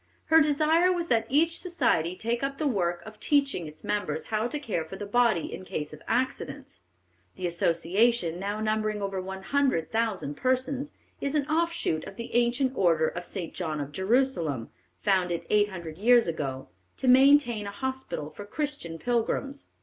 Her desire was that each society take up the work of teaching its members how to care for the body in case of accidents. The association, now numbering over one hundred thousand persons, is an offshoot of the ancient order of St. John of Jerusalem, founded eight hundred years ago, to maintain a hospital for Christian pilgrims.